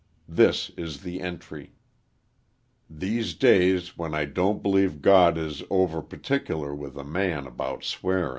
This is the entry: _"Theys days when I dont blieve God is over per ticklar with a man bout swearin."